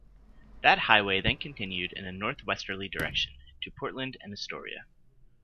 That highway then continued in a northwesterly direction to Portland and Astoria.